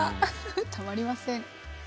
たまりません。